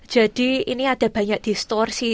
jadi ini ada banyak distorsi